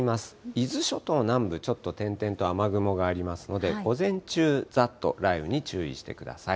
伊豆諸島南部、ちょっと点々と雨雲がありますので、午前中、ざっと雷雨に注意してください。